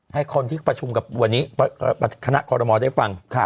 ให้คนที่ประชุมกับวันนี้คณะคอรมอลได้ฟัง